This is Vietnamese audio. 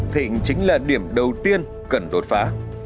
thịnh chính là điểm đầu tiên cần đột phá